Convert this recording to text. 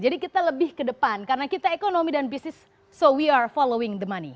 jadi kita lebih ke depan karena kita ekonomi dan bisnis so we are following the money